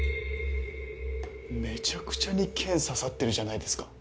めちゃくちゃに剣刺さってるじゃないですか。